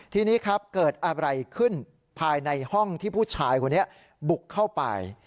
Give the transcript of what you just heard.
ทีนี้ครับเกิดอะไรขึ้นภายในห้องที่ผู้ชายคนนี้บุกเข้าไป